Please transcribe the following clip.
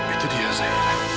itu dia zahira